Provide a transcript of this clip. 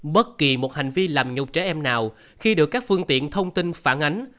bất kỳ một hành vi làm nhục trẻ em nào khi được các phương tiện thông tin phản ánh